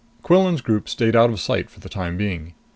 Quillan's group stayed out of sight for the time being.